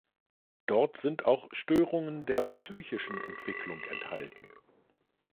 Dort sind auch Störungen der psychischen Entwicklung enthalten.